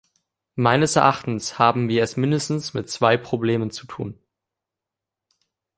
Meines Erachtens haben wir es mindestens mit zwei Problemen zu tun.